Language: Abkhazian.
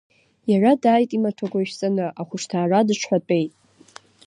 Иара дааит имаҭәақәа ишәҵаны, ахәышҭаара дыҽҳәатәеит.